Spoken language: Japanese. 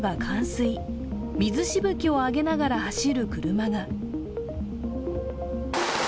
水しぶきを上げながら走る車が。